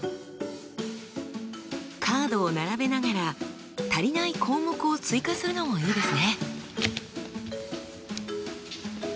カードを並べながら足りない項目を追加するのもいいですね。